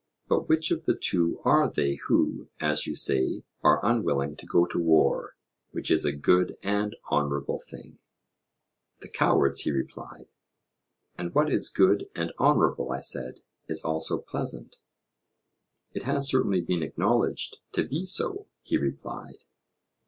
But which of the two are they who, as you say, are unwilling to go to war, which is a good and honourable thing? The cowards, he replied. And what is good and honourable, I said, is also pleasant? It has certainly been acknowledged to be so, he replied.